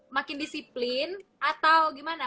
makin disiplin atau gimana